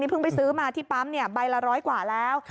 เพิ่งไปซื้อมาที่ปั๊มใบละร้อยกว่าแล้ว